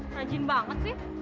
rajin banget sih